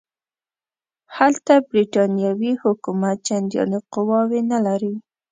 هلته برټانوي حکومت چنداني قواوې نه لري.